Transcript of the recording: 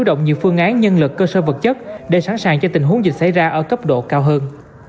đồng thời xảy ra ở cấp độ cao hơn